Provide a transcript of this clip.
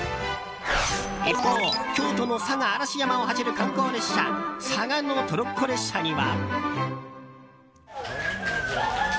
一方、京都の嵯峨嵐山を走る観光列車嵯峨野トロッコ列車には。